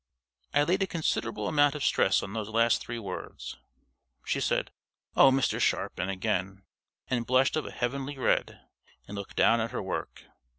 I laid a considerable amount of stress on those last three words. She said: "Oh, Mr. Sharpin!" again, and blushed of a heavenly red, and looked down at her work.